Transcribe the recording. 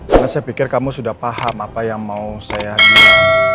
karena saya pikir kamu sudah paham apa yang mau saya bilang